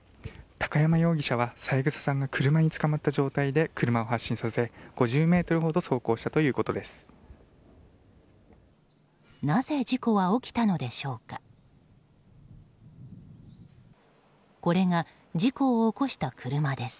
高山容疑者は三枝さんが車につかまった状態で車を発進させ、５０ｍほど走行したということです。